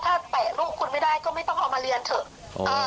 ถ้าแตะลูกคุณไม่ได้ก็ไม่ต้องเอามาเรียนเถอะ